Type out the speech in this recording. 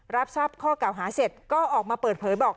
รับทราบข้อเก่าหาเสร็จก็ออกมาเปิดเผยบอก